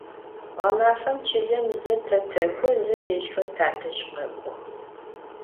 Ğemafem çılem ze te tek'o, ze yêjxer tadej khek'ox.